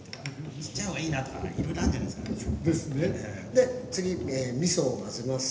で次みそを混ぜます。